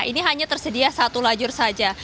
ini hanya tersedia satu lajur saja